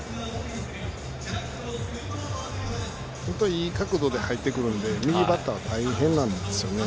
いい角度で入ってくるので右バッターは大変なんですよね。